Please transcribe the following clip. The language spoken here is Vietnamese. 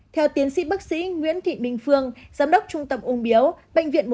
theo tiến sĩ bác sĩ nguyễn thị bình phương giám đốc trung tâm uống biếu bệnh viện một trăm chín mươi tám